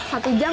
kalau satu jam